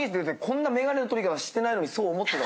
こんな眼鏡の取り方してないのにそう思って。